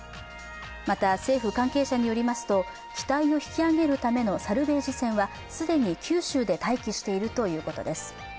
また、政府関係者によりますと、機体を引き揚げるためのサルベージ船は既に九州で待機しているということです。